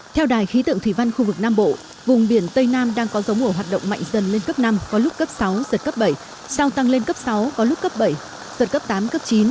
theo đài khí tượng thủy văn khu vực nam bộ vùng biển tây nam đang có giống ổ hoạt động mạnh dần lên cấp năm có lúc cấp sáu giật cấp bảy sau tăng lên cấp sáu có lúc cấp bảy giật cấp tám cấp chín